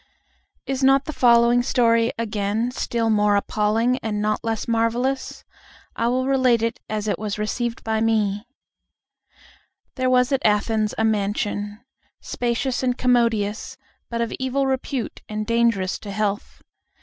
Is not the following story again still more appalling and not less marvelous? I will relate it as it was received by me: There was at Athens a mansion, spacious and commodious, but of evil repute and dangerous to health.